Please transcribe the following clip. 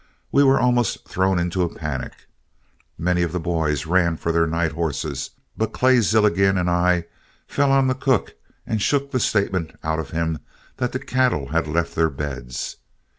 we were almost thrown into a panic. Many of the boys ran for their night horses, but Clay Zilligan and I fell on the cook and shook the statement out of him that the cattle had left their beds.